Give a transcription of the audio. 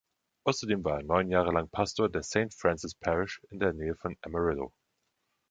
Außerdem war er neun Jahre lang Pastor der Saint Francis Parish in der Nähe von Amarillo.